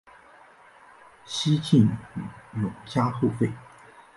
西晋永嘉后废。